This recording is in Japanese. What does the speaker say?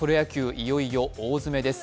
いよいよ大詰めです。